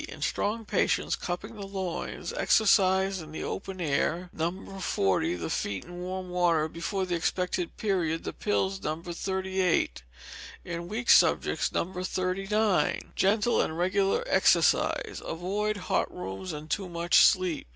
In Strong patients, cupping the loins, exercise in the open air, No. 40, the feet in warm water before the expected period, the pills No. 38; in weak subjects, No. 39. Gentle and regular exercise. Avoid hot rooms, and too much sleep.